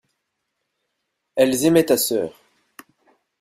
Elles aimaient ta sœur.